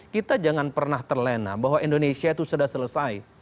kita jangan pernah terlena bahwa indonesia itu sudah selesai